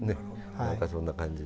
何かそんな感じで。